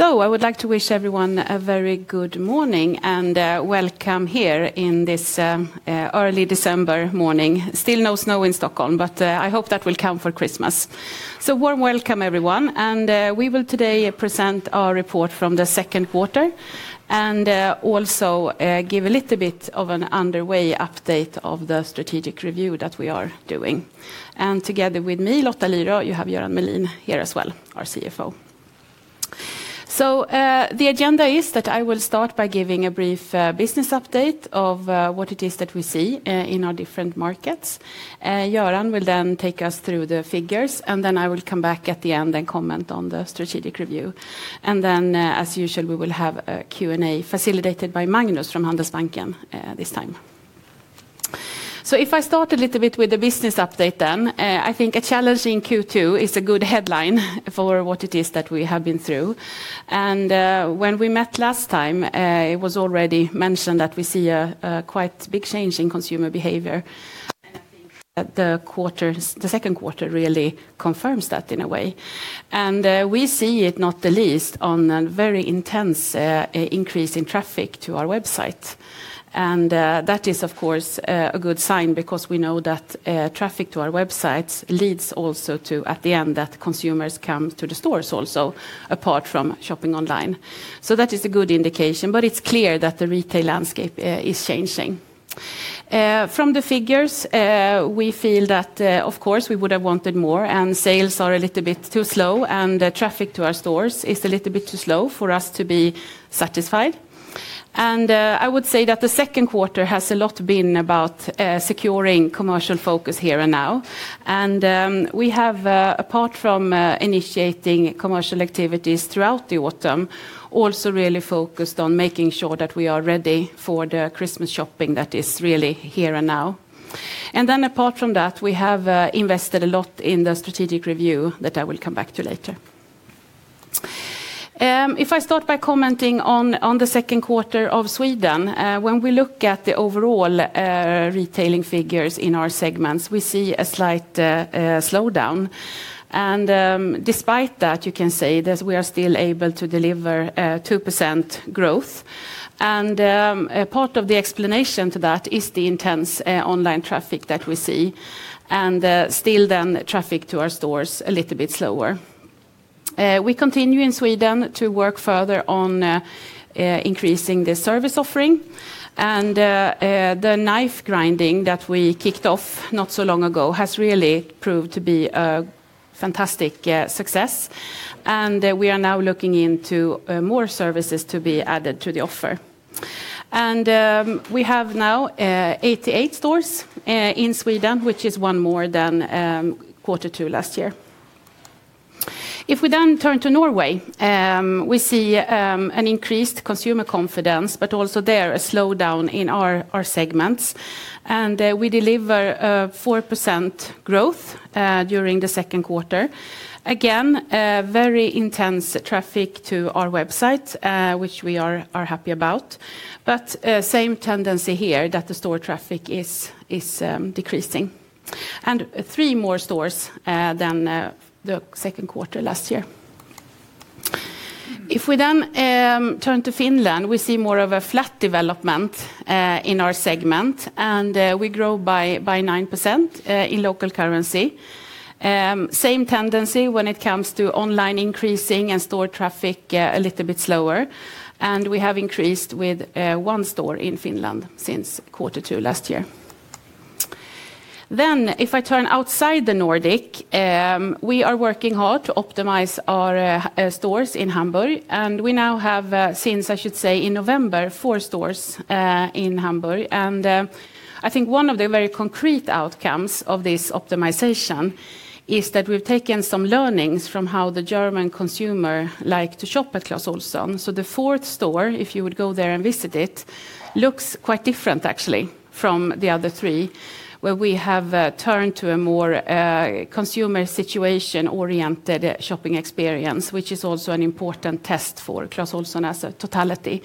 I would like to wish everyone a very good morning and welcome here in this early December morning. Still no snow in Stockholm, but I hope that will come for Christmas. Warm welcome everyone, and we will today present our report from the second quarter and also give a little bit of an underway update of the strategic review that we are doing. Together with me, Lotta Lyrå, you have Göran Melin here as well, our CFO. The agenda is that I will start by giving a brief business update of what it is that we see in our different markets. Göran will then take us through the figures, and then I will come back at the end and comment on the strategic review. As usual, we will have a Q&A facilitated by Magnus from Handelsbanken this time. If I start a little bit with the business update then, I think a challenging Q2 is a good headline for what it is that we have been through. When we met last time, it was already mentioned that we see a quite big change in consumer behavior. I think that the quarter, the second quarter really confirms that in a way. We see it not the least on a very intense increase in traffic to our website. That is of course a good sign because we know that traffic to our websites leads also to, at the end, that consumers come to the stores also apart from shopping online. That is a good indication, but it's clear that the retail landscape is changing. From the figures, we feel that, of course, we would've wanted more, and sales are a little bit too slow, and the traffic to our stores is a little bit too slow for us to be satisfied. I would say that the second quarter has a lot been about securing commercial focus here and now. We have apart from initiating commercial activities throughout the autumn, also really focused on making sure that we are ready for the Christmas shopping that is really here and now. Apart from that, we have invested a lot in the strategic review that I will come back to later. If I start by commenting on the second quarter of Sweden, when we look at the overall retailing figures in our segments, we see a slight slowdown. Despite that, you can say that we are still able to deliver 2% growth. A part of the explanation to that is the intense online traffic that we see, and still then traffic to our stores a little bit slower. We continue in Sweden to work further on increasing the service offering and the knife grinding that we kicked off not so long ago has really proved to be a fantastic success. We are now looking into more services to be added to the offer. We have now 88 stores in Sweden, which is one more than quarter two last year. We turn to Norway, we see an increased consumer confidence, but also there a slowdown in our segments. We deliver 4% growth during the second quarter. Again, very intense traffic to our website, which we are happy about. Same tendency here that the store traffic is decreasing. Three more stores than the second quarter last year. We turn to Finland, we see more of a flat development in our segment, and we grow by 9% in local currency. Same tendency when it comes to online increasing and store traffic a little bit slower. We have increased with one store in Finland since quarter two last year. If I turn outside the Nordic, we are working hard to optimize our stores in Hamburg, and we now have, since, I should say in November, four stores in Hamburg. I think one of the very concrete outcomes of this optimization is that we've taken some learnings from how the German consumer like to shop at Clas Ohlson. The fourth store, if you would go there and visit it, looks quite different actually from the other three, where we have turned to a more consumer situation-oriented shopping experience, which is also an important test for Clas Ohlson as a totality.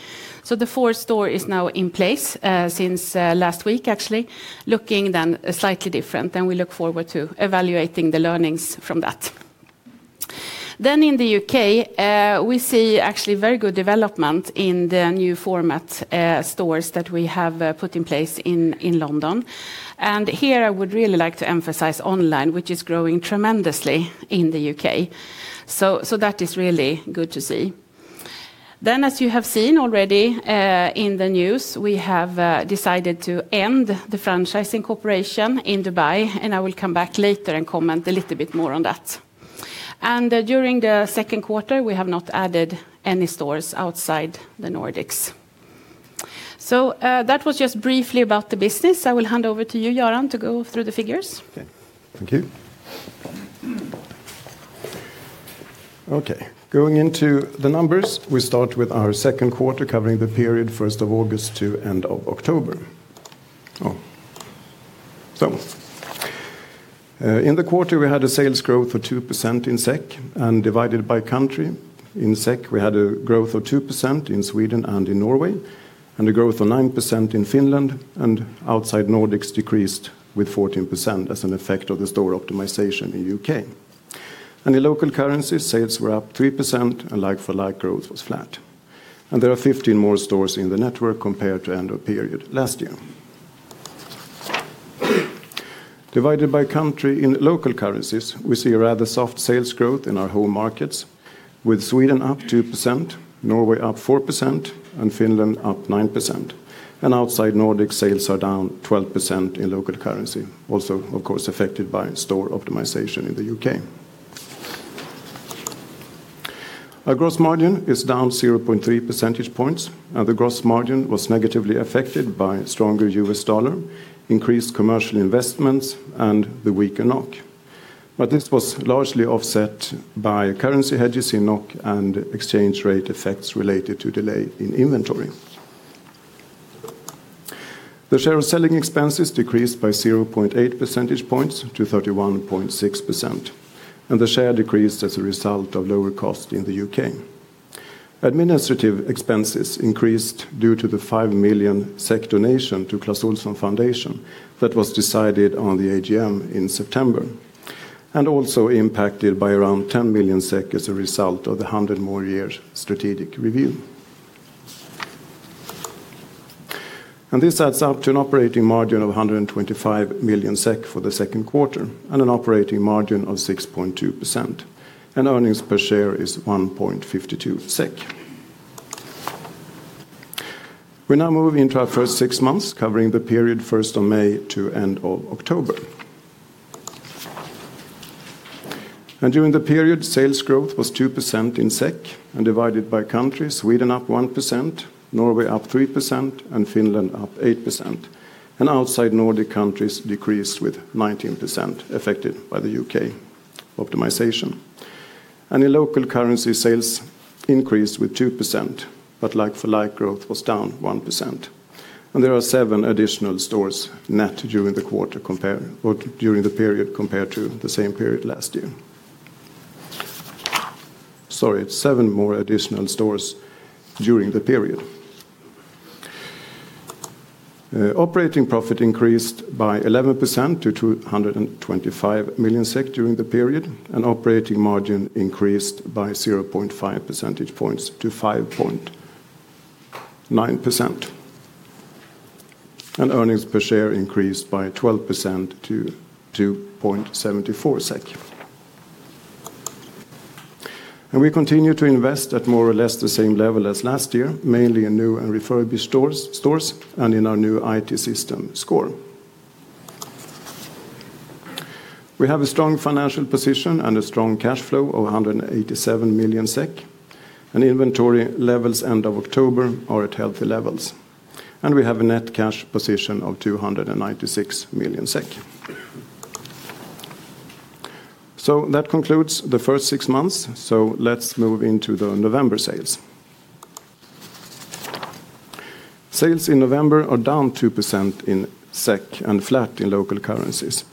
The fourth store is now in place since last week, actually, looking then slightly different, and we look forward to evaluating the learnings from that. In the U.K., we see actually very good development in the new format stores that we have put in place in London. Here I would really like to emphasize online, which is growing tremendously in the U.K. That is really good to see. As you have seen already in the news, we have decided to end the franchising cooperation in Dubai, and I will come back later and comment a little bit more on that. During the second quarter, we have not added any stores outside the Nordics. That was just briefly about the business. I will hand over to you, Göran, to go through the figures. Thank you. Going into the numbers, we start with our second quarter covering the period 1st of August to end of October. In the quarter, we had a sales growth of 2% in SEK and divided by country. In SEK, we had a growth of 2% in Sweden and in Norway, and a growth of 9% in Finland, and outside Nordics decreased with 14% as an effect of the store optimization in U.K. In local currency, sales were up 3% and like-for-like growth was flat. There are 15 more stores in the network compared to end of period last year. Divided by country in local currencies, we see a rather soft sales growth in our home markets with Sweden up 2%, Norway up 4%, and Finland up 9%. Outside Nordic, sales are down 12% in local currency, also of course affected by store optimization in the U.K. Our gross margin is down 0.3 percentage points, and the gross margin was negatively affected by stronger U.S. dollar, increased commercial investments, and the weaker NOK. This was largely offset by currency hedges in NOK and exchange rate effects related to delay in inventory. The share of selling expenses decreased by 0.8 percentage points to 31.6%, and the share decreased as a result of lower cost in the U.K. Administrative expenses increased due to the 5 million SEK donation to Clas Ohlson Foundation that was decided on the AGM in September, and also impacted by around 10 million as a result of the 100 more years strategic review. This adds up to an operating margin of 125 million SEK for the second quarter and an operating margin of 6.2%. Earnings per share is 1.52 SEK. We now move into our first six months, covering the period first of May to end of October. During the period, sales growth was 2% in SEK, divided by countries, Sweden up 1%, Norway up 3%, and Finland up 8%. Outside Nordic countries decreased with 19%, affected by the U.K. optimization. In local currency, sales increased with 2%, but like-for-like growth was down 1%. There are seven additional stores net during the period compared to the same period last year. Sorry, seven more additional stores during the period. Operating profit increased by 11% to 225 million SEK during the period. Operating margin increased by 0.5 percentage points to 5.9%. Earnings per share increased by 12% to 2.74 SEK. We continue to invest at more or less the same level as last year, mainly in new and refurbish stores and in our new IT system Score. We have a strong financial position and a strong cash flow of 187 million SEK. Inventory levels end of October are at healthy levels. We have a net cash position of 296 million SEK. That concludes the first six months. Let's move into the November sales. Sales in November are down 2% in SEK and flat in local currencies.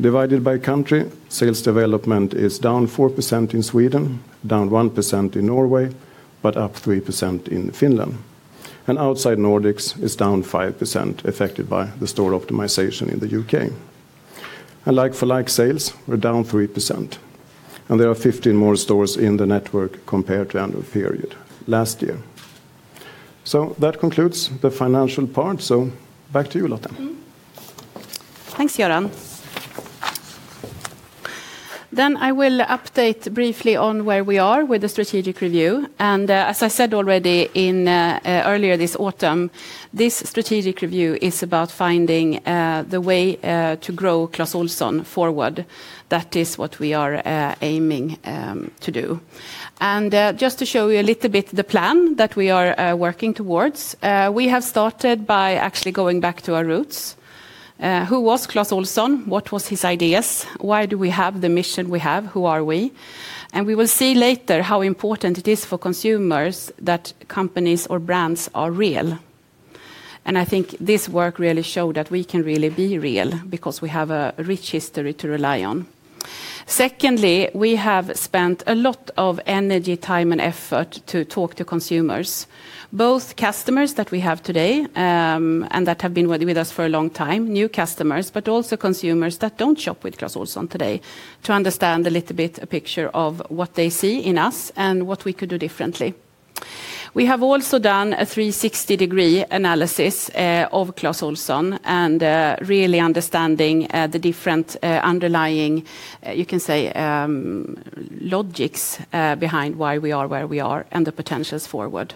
Divided by country, sales development is down 4% in Sweden, down 1% in Norway, but up 3% in Finland. Outside Nordics, it's down 5%, affected by the store optimization in the U.K. Like-for-like sales are down 3%, and there are 15 more stores in the network compared to end of period last year. That concludes the financial part. Back to you, Lotta. Thanks, Göran. I will update briefly on where we are with the strategic review. As I said already earlier this autumn, this strategic review is about finding the way to grow Clas Ohlson forward. That is what we are aiming to do. Just to show you a little bit the plan that we are working towards, we have started by actually going back to our roots. Who was Clas Ohlson? What was his ideas? Why do we have the mission we have? Who are we? We will see later how important it is for consumers that companies or brands are real. I think this work really showed that we can really be real because we have a rich history to rely on. Secondly, we have spent a lot of energy, time, and effort to talk to consumers, both customers that we have today, and that have been with us for a long time, new customers, but also consumers that don't shop with Clas Ohlson today to understand a little bit a picture of what they see in us and what we could do differently. We have also done a 360-degree analysis of Clas Ohlson and really understanding the different underlying, you can say, logics behind why we are where we are and the potentials forward.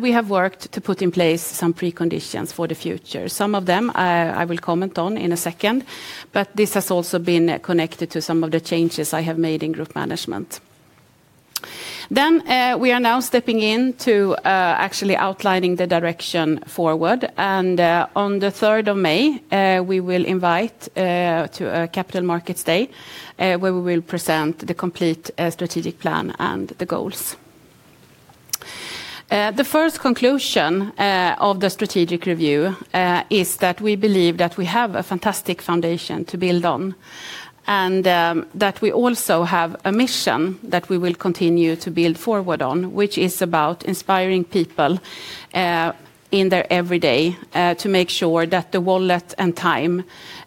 We have worked to put in place some preconditions for the future. Some of them, I will comment on in a second, but this has also been connected to some of the changes I have made in group management. We are now stepping in to actually outlining the direction forward. On the 3rd of May, we will invite to a Capital Markets Day, where we will present the complete strategic plan and the goals. The first conclusion of the strategic review is that we believe that we have a fantastic foundation to build on and that we also have a mission that we will continue to build forward on, which is about inspiring people in their every day to make sure that the wallet and time,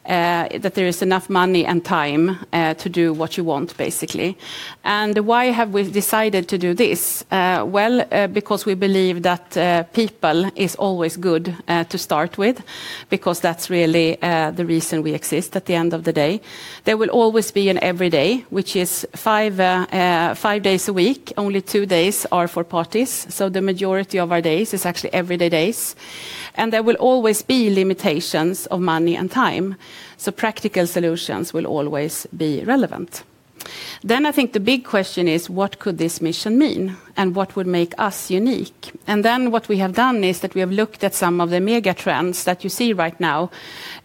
that there is enough money and time, to do what you want basically. Why have we decided to do this? Well, because we believe that people is always good to start with because that's really the reason we exist at the end of the day. There will always be an every day, which is five days a week, only two days are for parties, so the majority of our days is actually everyday days. There will always be limitations of money and time, so practical solutions will always be relevant. I think the big question is what could this mission mean, and what would make us unique? What we have done is that we have looked at some of the mega trends that you see right now,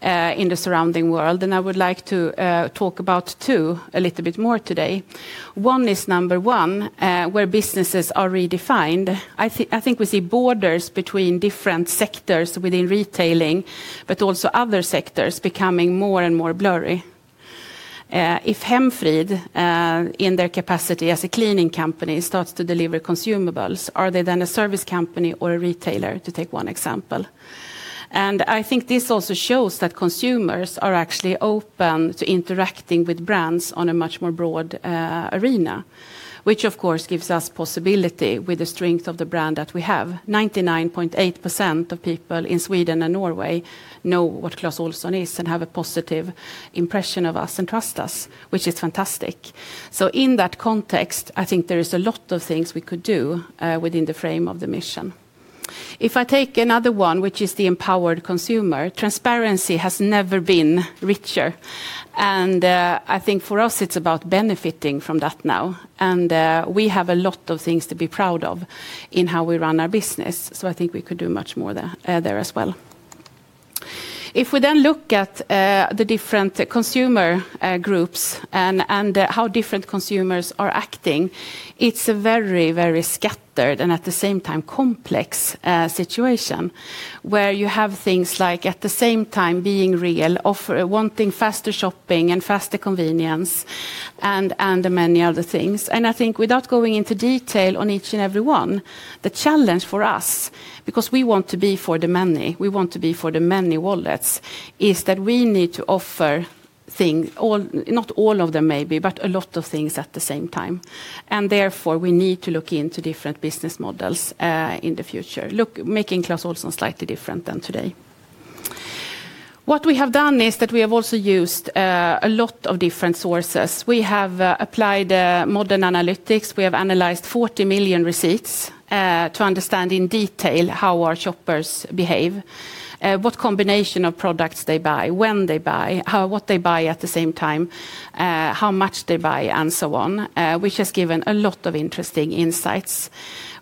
in the surrounding world, and I would like to talk about two a little bit more today. One is number one, where businesses are redefined. I think we see borders between different sectors within retailing, but also other sectors becoming more and more blurry. If Hemfrid in their capacity as a cleaning company starts to deliver consumables, are they then a service company or a retailer, to take one example. I think this also shows that consumers are actually open to interacting with brands on a much more broad arena, which of course gives us possibility with the strength of the brand that we have. 99.8% of people in Sweden and Norway know what Clas Ohlson is and have a positive impression of us and trust us, which is fantastic. In that context, I think there is a lot of things we could do within the frame of the mission. If I take another one, which is the empowered consumer, transparency has never been richer. I think for us it's about benefiting from that now. We have a lot of things to be proud of in how we run our business. I think we could do much more there as well. If we look at the different consumer groups and how different consumers are acting, it's very, very scattered and at the same time complex situation where you have things like at the same time being real, wanting faster shopping and faster convenience and many other things. I think without going into detail on each and every one, the challenge for us, because we want to be for the many, we want to be for the many wallets, is that we need to offer things, not all of them maybe, but a lot of things at the same time. Therefore, we need to look into different business models in the future. Look, making Clas Ohlson slightly different than today. What we have done is that we have also used a lot of different sources. We have applied modern analytics. We have analyzed 40 million receipts to understand in detail how our shoppers behave, what combination of products they buy, when they buy, what they buy at the same time, how much they buy, and so on, which has given a lot of interesting insights.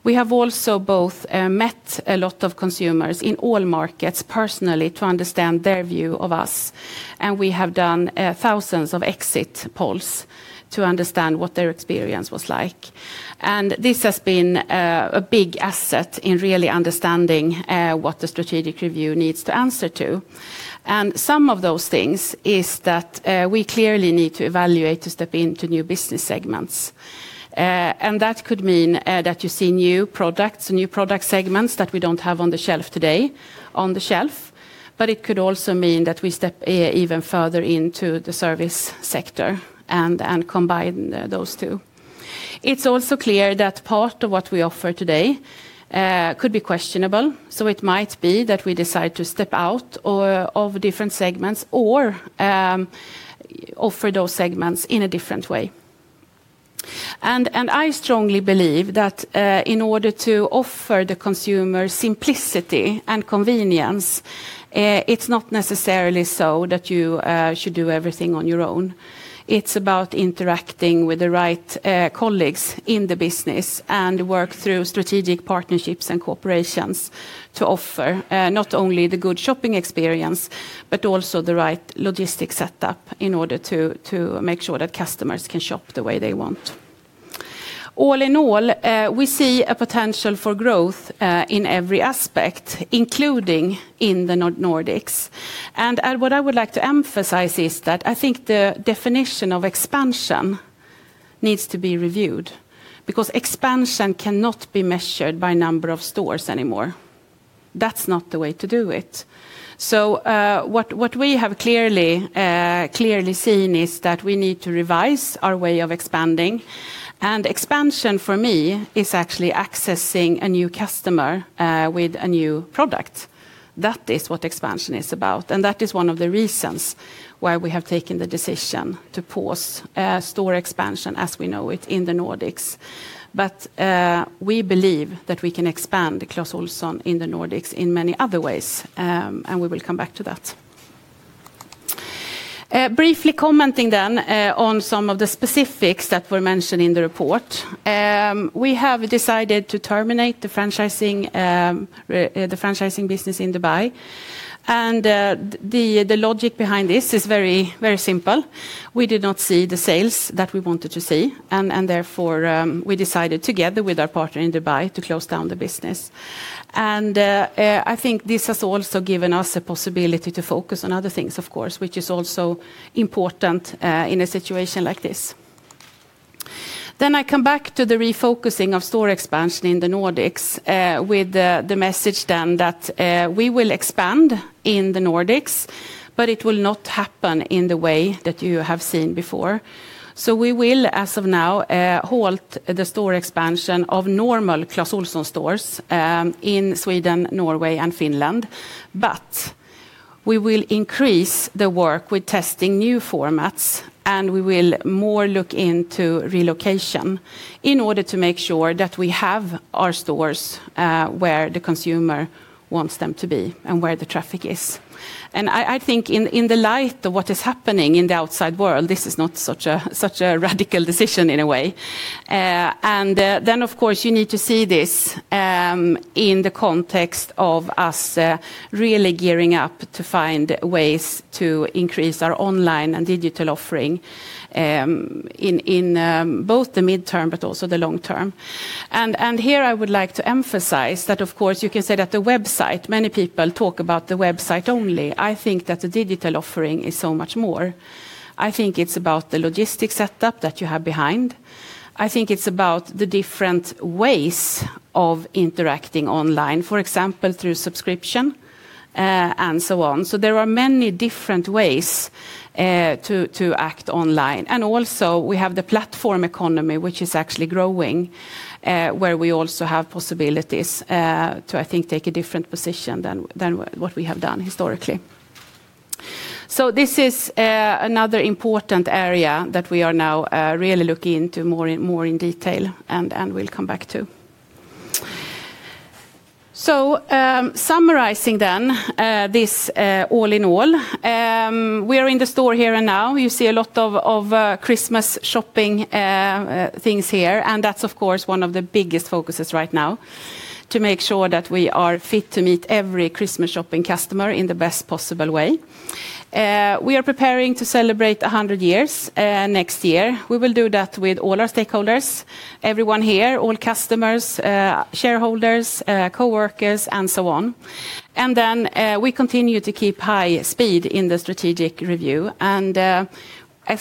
We have also both met a lot of consumers in all markets personally to understand their view of us, and we have done thousands of exit polls to understand what their experience was like. This has been a big asset in really understanding what the strategic review needs to answer to. Some of those things is that we clearly need to evaluate to step into new business segments. That could mean that you see new products, new product segments that we don't have on the shelf today, but it could also mean that we step even further into the service sector and combine those two. It's also clear that part of what we offer today, could be questionable, so it might be that we decide to step out of different segments or offer those segments in a different way. I strongly believe that in order to offer the consumer simplicity and convenience, it's not necessarily so that you should do everything on your own. It's about interacting with the right colleagues in the business and work through strategic partnerships and corporations to offer not only the good shopping experience, but also the right logistics set up in order to make sure that customers can shop the way they want. All in all, we see a potential for growth in every aspect, including in the Nordics. What I would like to emphasize is that I think the definition of expansion needs to be reviewed because expansion cannot be measured by number of stores anymore. That's not the way to do it. What we have clearly seen is that we need to revise our way of expanding. Expansion, for me, is actually accessing a new customer with a new product. That is what expansion is about, and that is one of the reasons why we have taken the decision to pause store expansion as we know it in the Nordics. We believe that we can expand Clas Ohlson in the Nordics in many other ways, and we will come back to that. Briefly commenting then on some of the specifics that were mentioned in the report. We have decided to terminate the franchising, the franchising business in Dubai and the logic behind this is very, very simple. We did not see the sales that we wanted to see and therefore, we decided together with our partner in Dubai to close down the business. I think this has also given us a possibility to focus on other things, of course, which is also important in a situation like this. I come back to the refocusing of store expansion in the Nordics, with the message that we will expand in the Nordics, but it will not happen in the way that you have seen before. We will, as of now, halt the store expansion of normal Clas Ohlson stores in Sweden, Norway, and Finland. We will increase the work with testing new formats, and we will more look into relocation in order to make sure that we have our stores where the consumer wants them to be and where the traffic is. I think in the light of what is happening in the outside world, this is not such a radical decision in a way. Then of course you need to see this in the context of us really gearing up to find ways to increase our online and digital offering in both the midterm but also the long term. Here I would like to emphasize that of course you can say that the website, many people talk about the website only. I think that the digital offering is so much more. I think it's about the logistics setup that you have behind. I think it's about the different ways of interacting online, for example, through subscription, and so on. There are many different ways to act online. Also we have the platform economy, which is actually growing, where we also have possibilities to, I think, take a different position than what we have done historically. This is another important area that we are now really looking into more in detail and we'll come back to. Summarizing this all in all, we are in the store here and now. You see a lot of Christmas shopping, things here, and that's of course one of the biggest focuses right now, to make sure that we are fit to meet every Christmas shopping customer in the best possible way. We are preparing to celebrate 100 years, next year. We will do that with all our stakeholders, everyone here, all customers, shareholders, coworkers, and so on. Then, we continue to keep high speed in the strategic review. As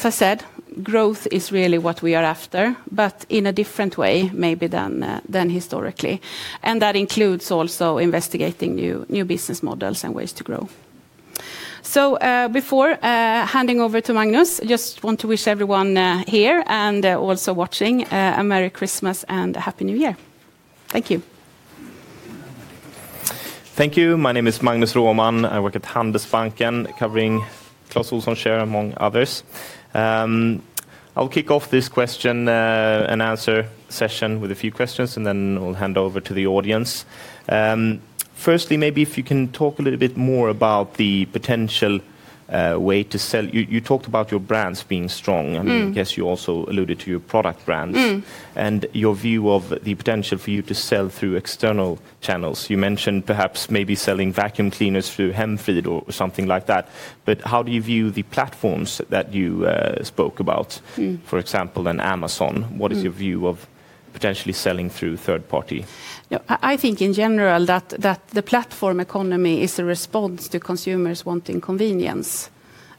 I said, growth is really what we are after, but in a different way maybe than historically, and that includes also investigating new business models and ways to grow. Before, handing over to Magnus, just want to wish everyone, here and, also watching, a Merry Christmas and a Happy New Year. Thank you. Thank you. My name is Magnus Roman. I work at Handelsbanken, covering Clas Ohlson share among others. I'll kick off this question-and-answer session with a few questions, and then I'll hand over to the audience. Firstly, maybe if you can talk a little bit more about the potential way to sell. You talked about your brands being strong. I mean, I guess you also alluded to your product brands. Your view of the potential for you to sell through external channels. You mentioned perhaps maybe selling vacuum cleaners through Hemfrid or something like that. How do you view the platforms that you spoke about for example, in Amazon? What is your view of potentially selling through third party? Yeah. I think in general that the platform economy is a response to consumers wanting convenience,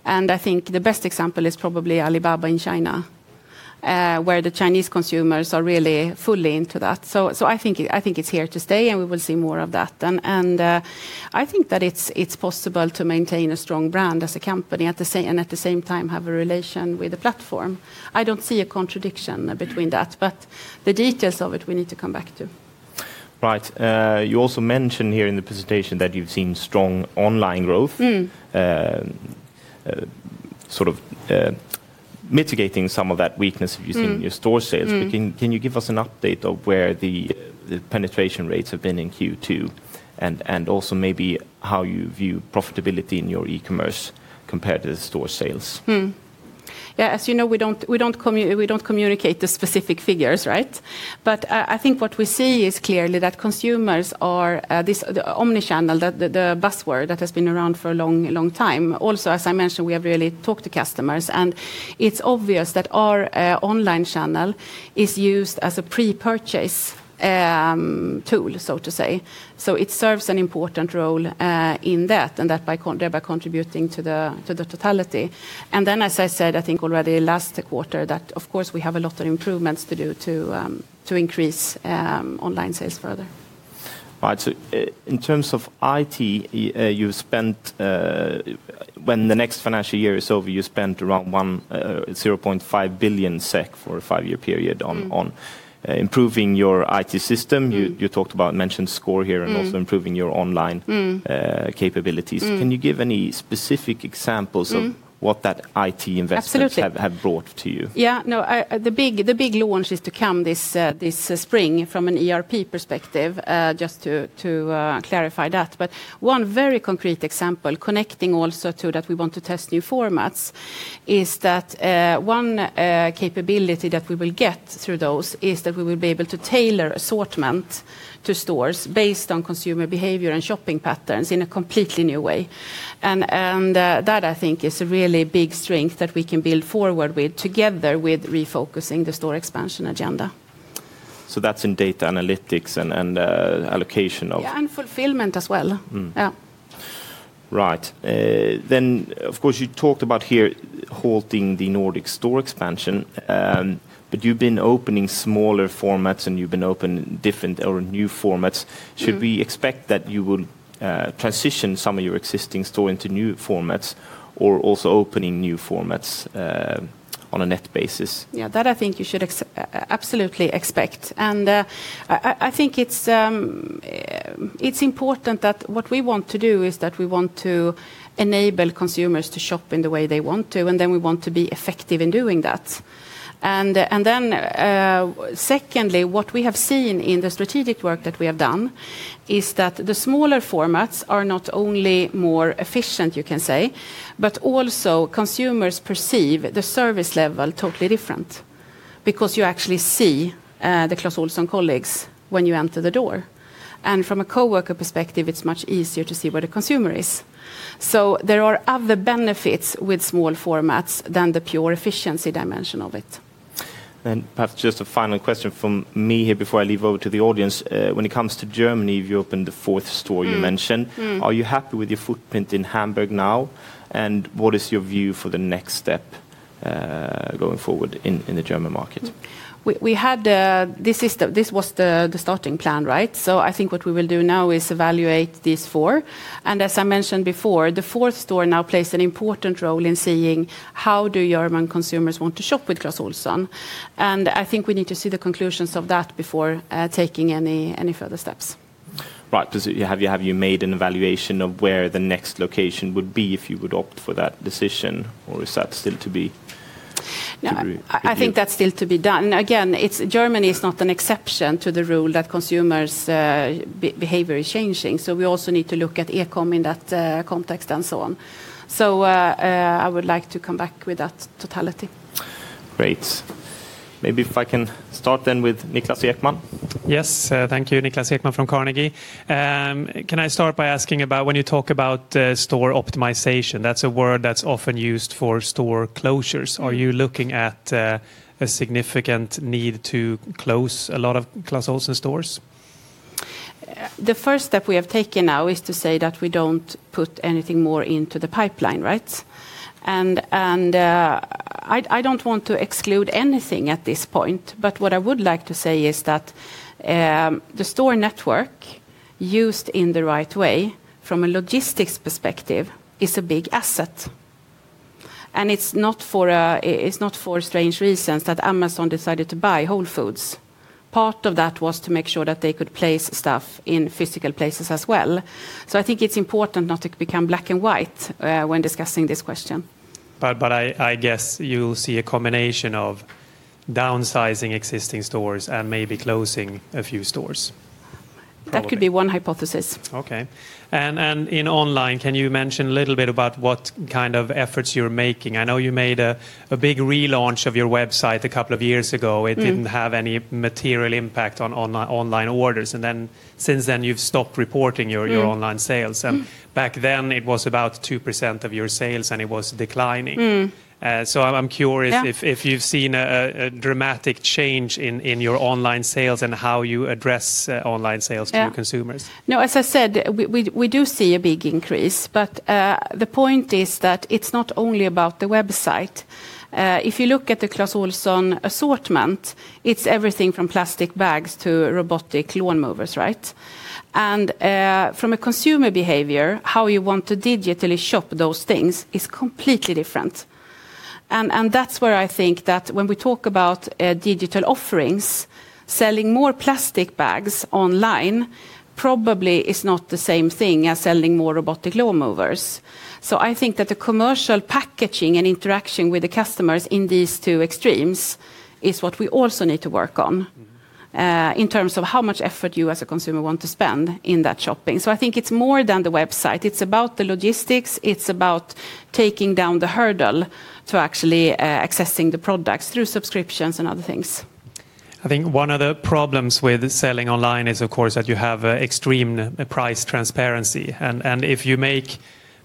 and I think the best example is probably Alibaba in China, where the Chinese consumers are really fully into that. I think it's here to stay, and we will see more of that. I think that it's possible to maintain a strong brand as a company and at the same time have a relation with the platform. I don't see a contradiction between that, but the details of it we need to come back to. Right. you also mentioned here in the presentation that you've seen strong online growth sort of mitigating some of that weakness you've seen in your store sales. Can you give us an update of where the penetration rates have been in Q2 and also maybe how you view profitability in your e-commerce compared to the store sales? Yeah, as you know, we don't communicate the specific figures, right? I think what we see is clearly that consumers are, this, the omnichannel, the buzzword that has been around for a long, long time. As I mentioned, we have really talked to customers, and it's obvious that our online channel is used as a pre-purchase tool, so to say. It serves an important role in that, and that there by contributing to the totality. As I said, I think already last quarter that of course we have a lot of improvements to do to increase online sales further. Right. In terms of IT, you spent, when the next financial year is over, you spent around 1.5 billion SEK for a five-year period on improving your IT system. You talked about, mentioned Score here and also improving your online capabilities. Can you give any specific examples of what that IT investment. Absolutely. Have brought to you? Yeah, no. The big launch is to come this spring from an ERP perspective, just to clarify that. One very concrete example, connecting also to that we want to test new formats, is that one capability that we will get through those is that we will be able to tailor assortment to stores based on consumer behavior and shopping patterns in a completely new way. That I think is a really big strength that we can build forward with together with refocusing the store expansion agenda. That's in data analytics and allocation of. Yeah, fulfillment as well. Yeah. Right. Of course, you talked about here halting the Nordic store expansion, but you've been opening smaller formats and you've been open different or new formats. Should we expect that you will transition some of your existing store into new formats or also opening new formats on a net basis? Yeah, that I think you should absolutely expect. I think it's important that what we want to do is that we want to enable consumers to shop in the way they want to, and then we want to be effective in doing that. Secondly, what we have seen in the strategic work that we have done is that the smaller formats are not only more efficient, you can say, but also consumers perceive the service level totally different because you actually see the Clas Ohlson colleagues when you enter the door. From a coworker perspective, it's much easier to see where the consumer is. There are other benefits with small formats than the pure efficiency dimension of it. Perhaps just a final question from me here before I leave over to the audience. When it comes to Germany, you've opened the fourth store you mentioned. Are you happy with your footprint in Hamburg now? What is your view for the next step, going forward in the German market? We had this was the starting plan, right? I think what we will do now is evaluate these four. As I mentioned before, the fourth store now plays an important role in seeing how do German consumers want to shop with Clas Ohlson. I think we need to see the conclusions of that before taking any further steps. Right. Have you made an evaluation of where the next location would be if you would opt for that decision? Or is that still to be reviewed? No, I think that's still to be done. Again, it's, Germany is not an exception to the rule that consumers' behavior is changing, so we also need to look at e-commerce in that context and so on. I would like to come back with that totality. Great. Maybe if I can start then with Niklas Ekman. Yes. Thank you. Niklas Ekman from Carnegie. Can I start by asking about when you talk about store optimization, that's a word that's often used for store closures. Are you looking at a significant need to close a lot of Clas Ohlson stores? The first step we have taken now is to say that we don't put anything more into the pipeline, right? I don't want to exclude anything at this point, but what I would like to say is that the store network used in the right way from a logistics perspective is a big asset. It's not for strange reasons that Amazon decided to buy Whole Foods. Part of that was to make sure that they could place stuff in physical places as well. I think it's important not to become black and white when discussing this question. I guess you'll see a combination of downsizing existing stores and maybe closing a few stores probably. That could be one hypothesis. Okay. In online, can you mention a little bit about what kind of efforts you're making? I know you made a big relaunch of your website a couple of years ago. It didn't have any material impact on online orders. Since then, you've stopped reporting your online sales. Back then it was about 2% of your sales and it was declining. I'm curious. Yeah. If you've seen a dramatic change in your online sales and how you address online sales to your consumers. Yeah. No, as I said, we do see a big increase, the point is that it's not only about the website. If you look at the Clas Ohlson assortment, it's everything from plastic bags to robotic lawn mowers, right? From a consumer behavior, how you want to digitally shop those things is completely different. That's where I think that when we talk about digital offerings, selling more plastic bags online probably is not the same thing as selling more robotic lawn mowers. I think that the commercial packaging and interaction with the customers in these two extremes is what we also need to work on. In terms of how much effort you as a consumer want to spend in that shopping. I think it's more than the website. It's about the logistics. It's about taking down the hurdle to actually accessing the products through subscriptions and other things. I think one of the problems with selling online is, of course, that you have extreme price transparency. If you make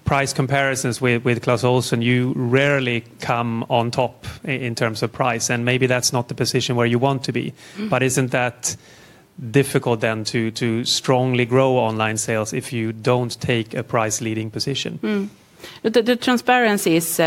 price comparisons with Clas Ohlson, you rarely come on top in terms of price, and maybe that's not the position where you want to be. Isn't that difficult then to strongly grow online sales if you don't take a price leading position? The transparency is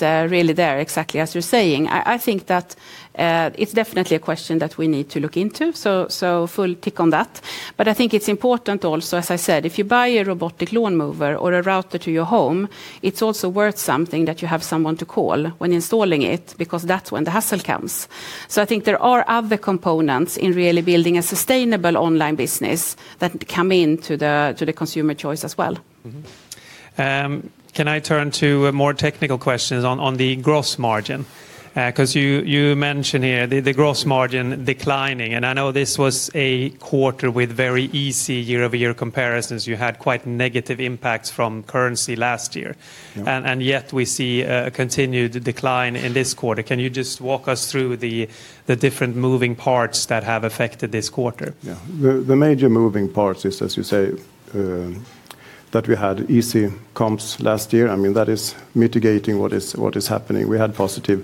really there, exactly as you're saying. I think that, it's definitely a question that we need to look into, so full tick on that. I think it's important also, as I said, if you buy a robotic lawn mover or a router to your home, it's also worth something that you have someone to call when installing it because that's when the hassle comes. I think there are other components in really building a sustainable online business that come into the consumer choice as well. Can I turn to more technical questions on the gross margin? 'Cause you mentioned here the gross margin declining, and I know this was a quarter with very easy year-over-year comparisons. You had quite negative impacts from currency last year. Yet we see a continued decline in this quarter. Can you just walk us through the different moving parts that have affected this quarter? Yeah. The major moving parts is, as you say. We had easy comps last year. I mean, that is mitigating what is happening. We had positive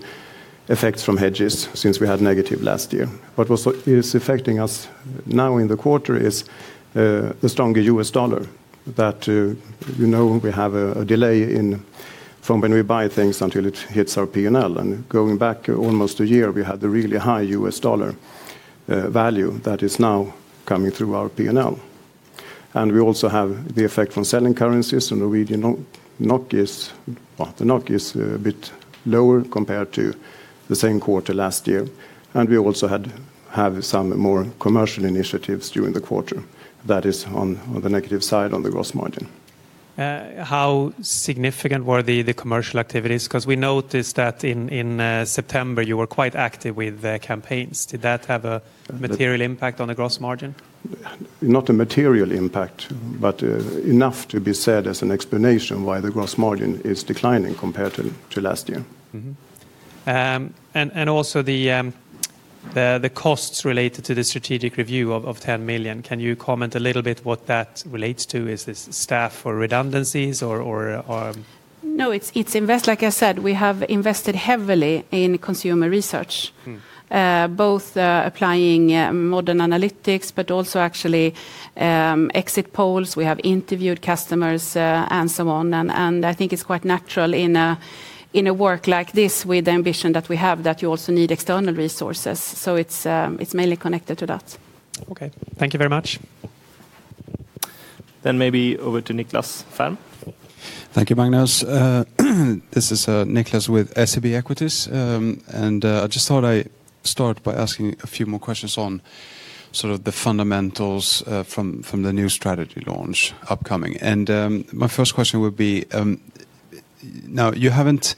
effects from hedges since we had negative last year. What is affecting us now in the quarter is the stronger US dollar that, you know, we have a delay in from when we buy things until it hits our P&L. Going back almost a year, we had the really high U.S. dollar value that is now coming through our P&L. We also have the effect from selling currencies from Norwegian NOK. Well, the NOK is a bit lower compared to the same quarter last year, we also have some more commercial initiatives during the quarter that is on the negative side on the gross margin. How significant were the commercial activities? 'Cause we noticed that in September you were quite active with campaigns. Did that have a material impact on the gross margin? Not a material impact, enough to be said as an explanation why the gross margin is declining compared to last year. Also the costs related to the strategic review of 10 million, can you comment a little bit what that relates to? Is this staff or redundancies or? No, it's invest. Like I said, we have invested heavily in consumer research. Both, applying, modern analytics but also actually, exit polls. We have interviewed customers, and so on. I think it's quite natural in a, in a work like this with the ambition that we have that you also need external resources. It's mainly connected to that. Okay. Thank you very much. Maybe over to Nicklas Färm. Thank you, Magnus. This is Niklas with SEB Equities. I just thought I start by asking a few more questions on sort of the fundamentals from the new strategy launch upcoming. My first question would be, now, you haven't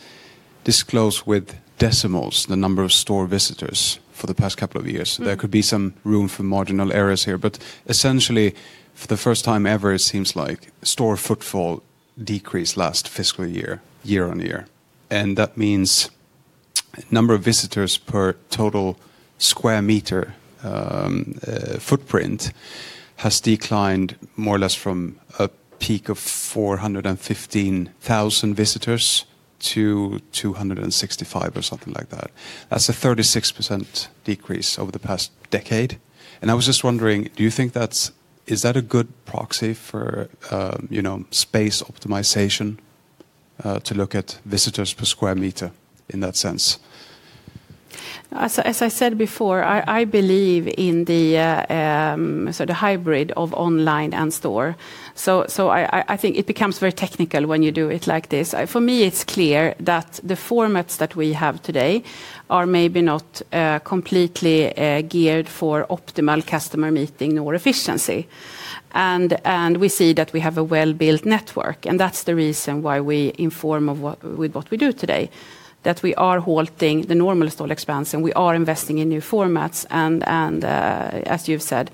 disclosed with decimals the number of store visitors for the past couple of years. There could be some room for marginal errors here, but essentially for the first time ever, it seems like store footfall decreased last fiscal year-on-year. That means number of visitors per total square meter footprint has declined more or less from a peak of 415,000 visitors to 265,000 or something like that. That's a 36% decrease over the past decade. I was just wondering, do you think that's. Is that a good proxy for, you know, space optimization, to look at visitors per square meter in that sense? As I said before, I believe in the sort of hybrid of online and store. I think it becomes very technical when you do it like this. For me, it's clear that the formats that we have today are maybe not completely geared for optimal customer meeting or efficiency. We see that we have a well-built network, and that's the reason why we inform of what, with what we do today, that we are halting the normal store expansion. We are investing in new formats and as you've said,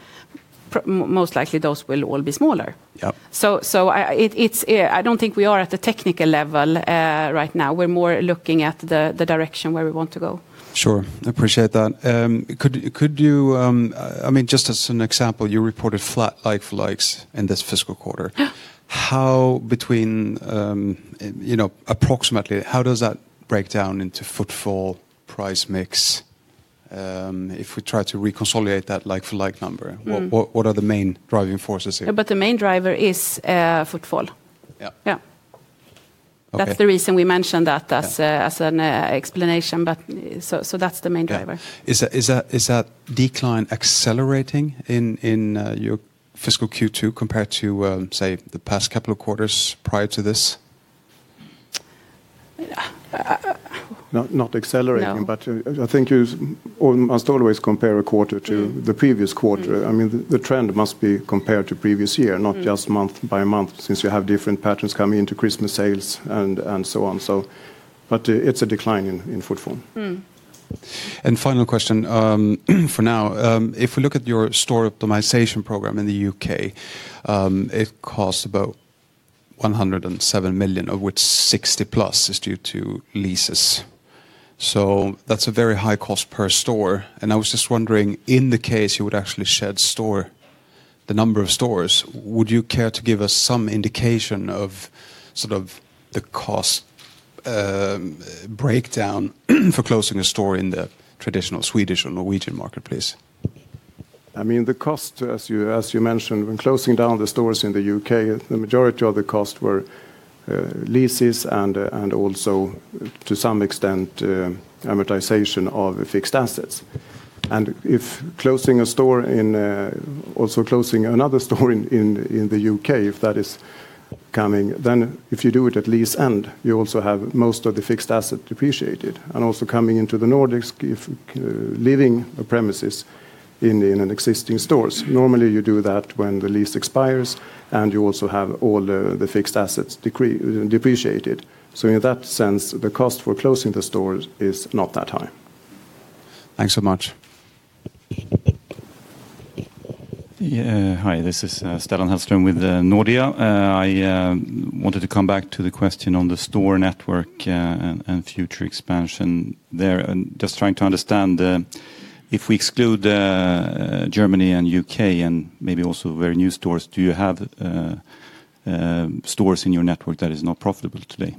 most likely those will all be smaller. Yeah. I don't think we are at the technical level, right now. We're more looking at the direction where we want to go. Sure. Appreciate that. Could you, I mean, just as an example, you reported flat like-for-likes in this fiscal quarter. Yeah. How between, you know, approximately, how does that break down into footfall, price mix, if we try to reconsolidate that like-for-like number? What are the main driving forces here? The main driver is footfall. Yeah. Yeah. Okay. That's the reason we mentioned that. Yeah As an explanation, but so that's the main driver. Yeah. Is that decline accelerating in your fiscal Q2 compared to, say, the past couple of quarters prior to this? Not accelerating. No. I think you must always compare a quarter to the previous quarter. I mean, the trend must be compared to previous year not just month by month since you have different patterns coming into Christmas sales and so on. It's a decline in footfall. Final question for now. If we look at your store optimization program in the U.K., it costs about 107 million of which 60+ is due to leases. That's a very high cost per store, and I was just wondering, in the case you would actually shed store, the number of stores, would you care to give us some indication of sort of the cost breakdown for closing a store in the traditional Swedish or Norwegian marketplace? I mean, the cost, as you mentioned, when closing down the stores in the U.K., the majority of the costs were leases and also to some extent, amortization of fixed assets. If closing a store in, also closing another store in the U.K., if that is coming, then if you do it at lease end, you also have most of the fixed asset depreciated. Also coming into the Nordics, if leaving the premises in an existing stores, normally you do that when the lease expires, and you also have all the fixed assets depreciated. In that sense, the cost for closing the stores is not that high. Thanks so much. Yeah. Hi, this is Stellan Hallström with Nordea. I wanted to come back to the question on the store network and future expansion there. Just trying to understand if we exclude Germany and U.K. and maybe also very new stores, do you have stores in your network that is not profitable today?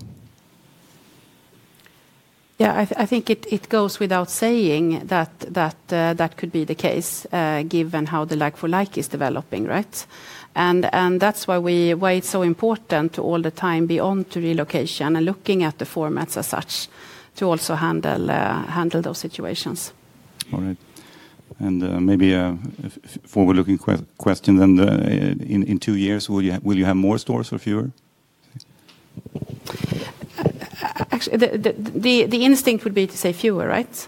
Yeah, I think it goes without saying that could be the case, given how the like-for-like is developing, right? That's why it's so important to all the time be on to relocation and looking at the formats as such to also handle those situations. All right. Maybe, forward looking question then, in two years will you have more stores or fewer? Actually, the instinct would be to say fewer, right?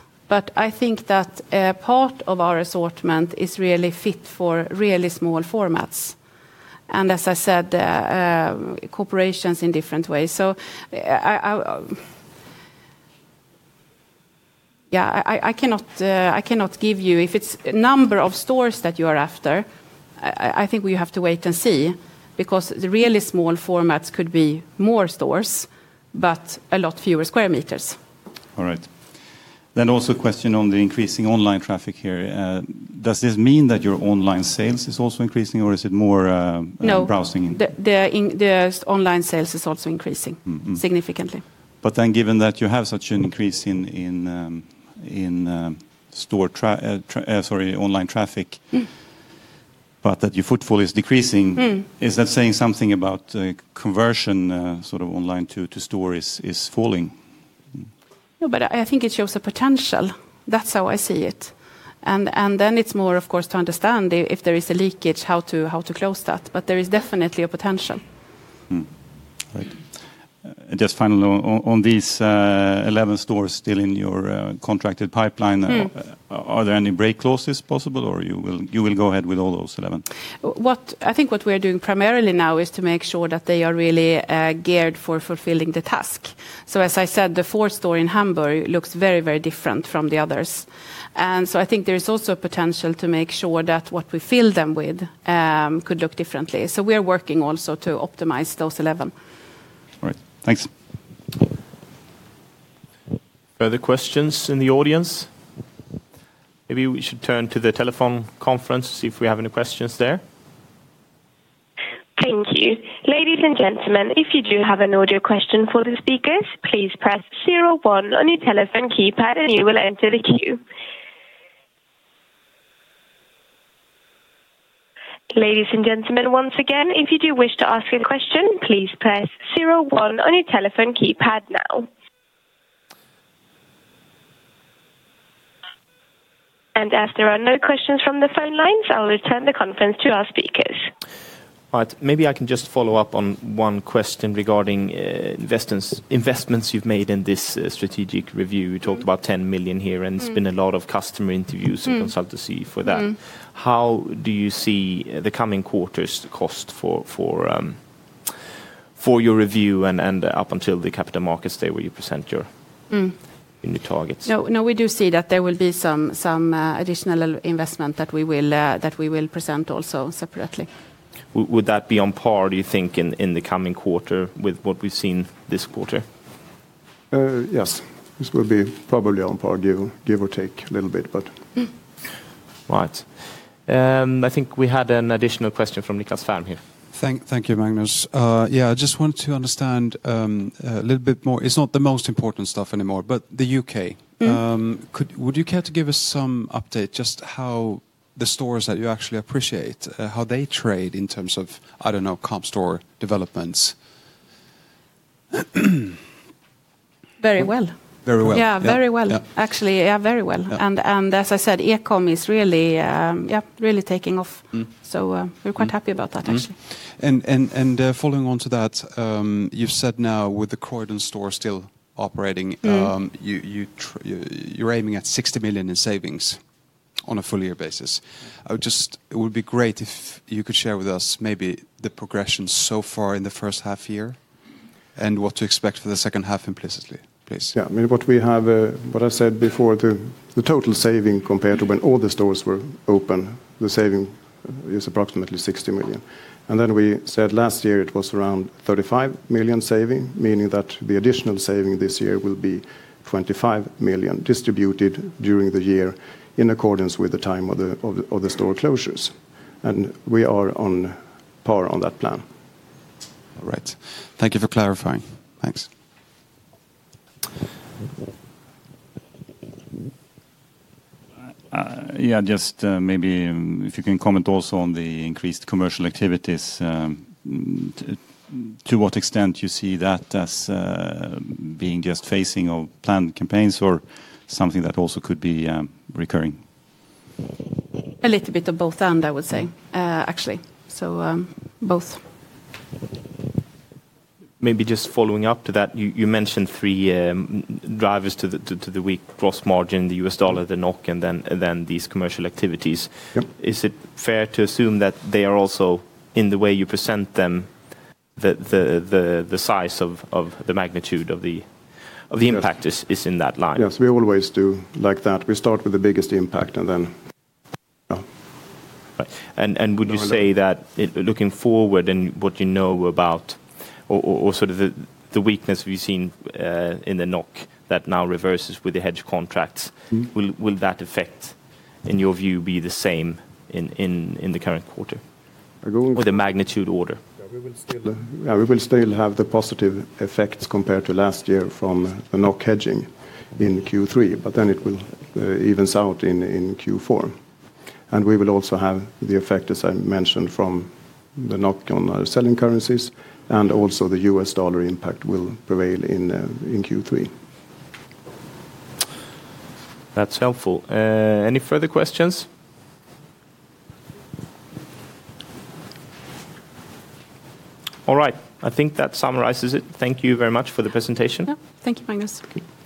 I think that part of our assortment is really fit for really small formats. As I said, corporations in different ways. Yeah, I cannot give you. If it's number of stores that you are after, I think we have to wait and see because the really small formats could be more stores, but a lot fewer square meters. All right. Also a question on the increasing online traffic here. Does this mean that your online sales is also increasing or is it more? No. Browsing? The online sales is also increasing significantly. Given that you have such an increase in online traffic. That your footfall is decreasing. Is that saying something about conversion, sort of online to stores is falling? No, but I think it shows the potential. That's how I see it. Then it's more of course to understand if there is a leakage, how to close that, but there is definitely a potential. Right. Just finally on these, 11 stores still in your contracted pipeline. Are there any break clauses possible or you will go ahead with all those 11? I think what we are doing primarily now is to make sure that they are really geared for fulfilling the task. As I said, the fourth store in Hamburg looks very, very different from the others. I think there is also potential to make sure that what we fill them with, could look differently. We are working also to optimize those 11. All right. Thanks. Further questions in the audience? Maybe we should turn to the telephone conference to see if we have any questions there. Thank you. Ladies and gentlemen, if you do have an audio question for the speakers, please press zero-one on your telephone keypad and you will enter the queue. Ladies and gentlemen, once again, if you do wish to ask a question, please press zero-one on your telephone keypad now. As there are no questions from the phone lines, I will return the conference to our speakers. All right. Maybe I can just follow up on one question regarding investments you've made in this strategic review. You talked about 10 million here. It's been a lot of customer interviews. Consultancy for that. How do you see the coming quarters cost for your review and up until the Capital Markets Day where you present new targets? No. No, we do see that there will be some additional investment that we will present also separately. Would that be on par, do you think, in the coming quarter with what we've seen this quarter? Yes. This will be probably on par give or take a little bit, but. Right. I think we had an additional question from Nicklas Färm here. Thank you, Magnus. Yeah, I just want to understand a little bit more. It's not the most important stuff anymore, the U.K. would you care to give us some update just how the stores that you actually appreciate, how they trade in terms of, I don't know, comp store developments? Very well. Very well? Yeah. Very well. Yeah. Actually, yeah, very well. Yeah. As I said, e-commerce is really, yeah, really taking off. We're quite happy about that actually. Following on to that, you've said now with the Croydon store still operating. You're aiming at 60 million in savings on a full year basis. It would be great if you could share with us maybe the progression so far in the first half year and what to expect for the second half implicitly, please. Yeah. I mean, what we have, what I said before, the total saving compared to when all the stores were open, the saving is approximately 60 million. We said last year it was around 35 million saving, meaning that the additional saving this year will be 25 million distributed during the year in accordance with the time of the store closures. We are on par on that plan. All right. Thank you for clarifying. Thanks. Yeah, just, maybe if you can comment also on the increased commercial activities, to what extent you see that as, being just phasing of planned campaigns or something that also could be, recurring? A little bit of both, I would say, actually. Both. Maybe just following up to that, you mentioned 3 drivers to the weak gross margin, the U.S. dollar, the NOK, and then these commercial activities. Yep. Is it fair to assume that they are also, in the way you present them, the size of the magnitude of the impact? Yes. Is in that line? Yes, we always do like that. We start with the biggest impact and then. Yeah. Right. Would you say that looking forward and what you know about or sort of the weakness we've seen in the NOK that now reverses with the hedge contracts? Will that affect, in your view, be the same in the current quarter? I go with. With the magnitude order. We will still have the positive effects compared to last year from the NOK hedging in Q3. It will evens out in Q4. We will also have the effect, as I mentioned, from the NOK on our selling currencies and also the U.S. dollar impact will prevail in Q3. That's helpful. Any further questions? All right. I think that summarizes it. Thank you very much for the presentation. Yeah. Thank you, Magnus. Okay. Thank you.